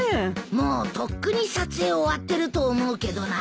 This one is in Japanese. もうとっくに撮影終わってると思うけどなあ。